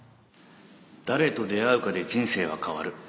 誰と出会うかで人生は変わる